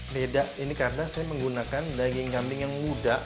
beda ini karena saya menggunakan daging kambing yang muda